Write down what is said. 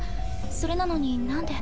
それなのに何で。